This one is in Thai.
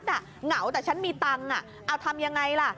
เก่งแต่ฉันมีตังค์ทำอย่างไรล่ะ